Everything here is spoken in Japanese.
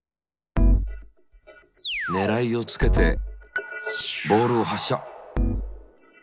ねらいをつけてボールを発射。